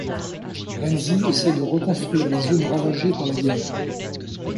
Renzhi essaye de reconstruire les zones ravagées par la guerre.